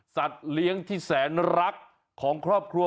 เลี้ยงที่แสนรักของครอบครัว